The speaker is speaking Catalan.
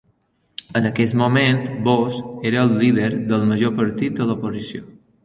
En aquest moment Bos era el líder del major partit de l'oposició.